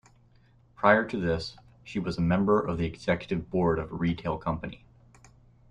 Prior to this she was Member of the Executive Board of a retail company.